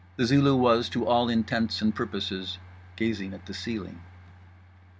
The Zulu was, to all intents and purposes, gazing at the ceiling….